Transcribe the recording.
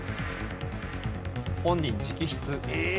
本人直筆。